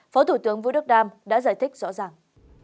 phó thủ tướng vũ đức đam đã giải thích rõ ràng